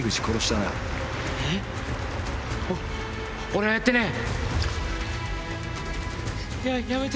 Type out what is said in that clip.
俺はやってない！